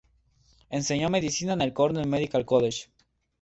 Enseñó medicina en el Cornell Medical College.